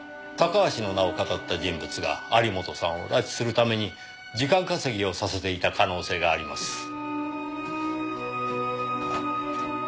タカハシの名をかたった人物が有本さんを拉致するために時間稼ぎをさせていた可能性があります。